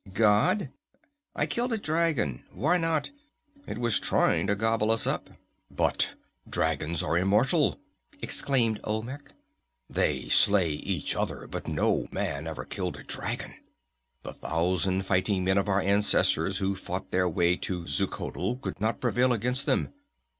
"God? I killed a dragon. Why not? It was trying to gobble us up." "But dragons are immortal!" exclaimed Olmec. "They slay each other, but no man ever killed a dragon! The thousand fighting men of our ancestors who fought their way to Xuchotl could not prevail against them!